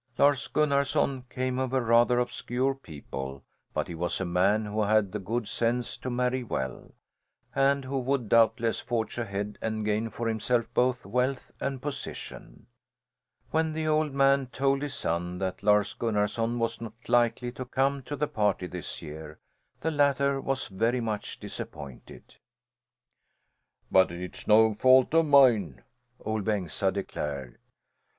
Lars Gunnarson came of rather obscure people, but he was a man who had the good sense to marry well, and who would doubtless forge ahead and gain for himself both wealth and position. When the old man told his son that Lars Gunnarson was not likely to come to the party this year, the latter was very much disappointed. "But it's no fault of mine," Ol' Bengsta declared.